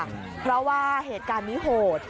เพราะว่าเหตุการณ์นี้โหด